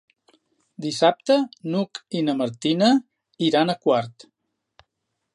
Dissabte n'Hug i na Martina iran a Quart.